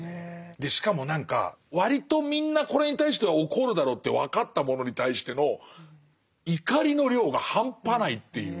でしかも何か割とみんなこれに対しては怒るだろうって分かったものに対しての怒りの量が半端ないっていう。